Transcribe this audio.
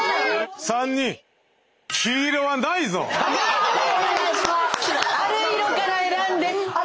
３人ある色から選んで。